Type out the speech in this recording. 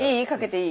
いい？